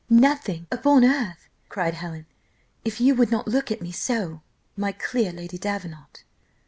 "Nothing upon earth!" cried Helen, "if you would not look at me so, my clear Lady Davenant."